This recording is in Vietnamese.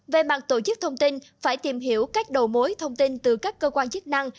về mặt tổ chức thông tin phải tìm hiểu cách đầu mối thông tin từ các cơ quan chức năng